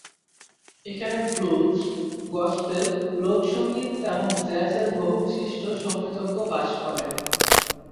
এখানে blues, gospel, লোক সংগীত এবং জ্যাজ এর বহু বিশিষ্ট সংগীতজ্ঞ বাস করেন।